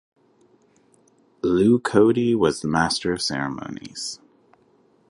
Lew Cody was the master of ceremonies.